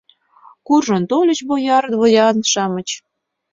Куржын тольыч бояр, дворян-шамыч